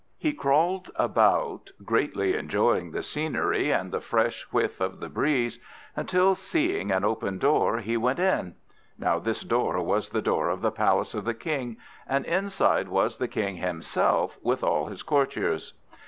He crawled about, greatly enjoying the scenery and the fresh whiff of the breeze, until, seeing an open door, he went in. Now this door was the door of the palace of the King, and inside was the King himself, with all his courtiers.